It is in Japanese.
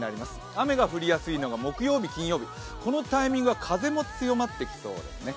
雨が降りやすいのが木曜日、金曜日このタイミングは風も強まってきそうですね。